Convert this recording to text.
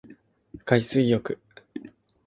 海水浴